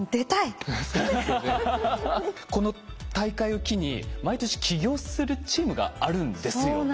この大会を機に毎年起業するチームがあるんですよね。